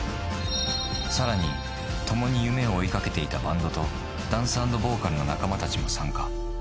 さらに、共に夢を追いかけていたバンドと、ダンス＆ボーカルの仲間たちも参加。